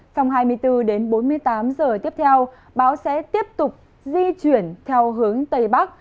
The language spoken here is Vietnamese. trong hai mươi bốn đến bốn mươi tám giờ tiếp theo bão sẽ tiếp tục di chuyển theo hướng tây bắc